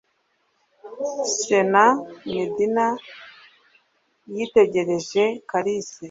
Señor Medena yitegereje Kalisa.